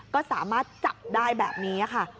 ก็สามารถจับได้แบบนี้ค่ะ